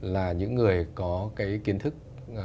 là những người có cái kiến thức